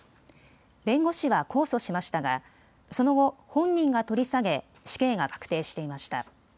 弁護士は控訴しましたがその後、本人が取り下げ死刑が確定していました。